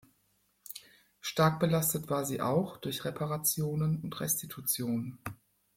Stark belastet war sie auch durch Reparationen und Restitution.